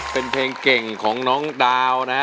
เป็นเพลงเก่งของน้องดาวนะฮะ